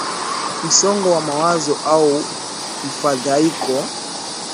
Msongo wa mawazo au mafadhaiko